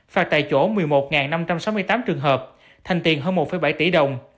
phạt tại chỗ một mươi một năm trăm sáu mươi tám trường hợp thành tiền hơn một bảy tỷ đồng